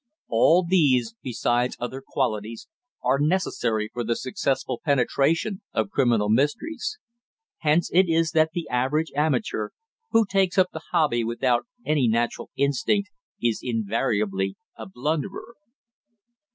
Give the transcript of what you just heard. All these, besides other qualities, are necessary for the successful penetration of criminal mysteries; hence it is that the average amateur, who takes up the hobby without any natural instinct, is invariably a blunderer.